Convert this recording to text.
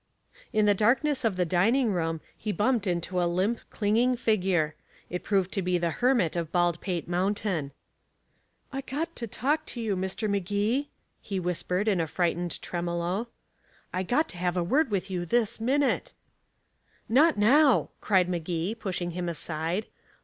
In the darkness of the dining room he bumped into a limp clinging figure. It proved to be the Hermit of Baldpate Mountain. "I got to talk to you, Mr. Magee," he whispered in a frightened tremolo. "I got to have a word with you this minute." "Not now," cried Magee, pushing him aside.